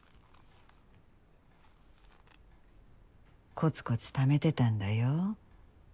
コツコツ貯めてたんだよ。